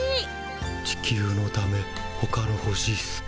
地球のためほかの星すて。